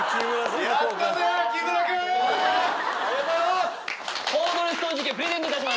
ありがとうございます